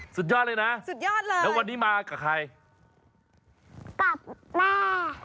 สุดยอดเลยนะสุดยอดเลยแล้ววันนี้มากับใครกลับมา